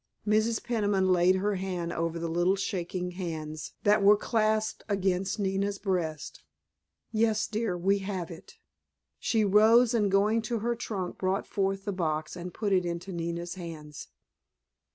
Mrs. Peniman laid her hand over the little shaking hands that were clasped against Nina's breast. "Yes, dear, we have it." She rose and going to her trunk brought forth the box and put it into Nina's hands.